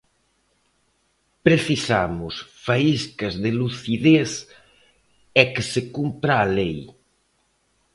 Precisamos faíscas de lucidez e que se cumpra a lei.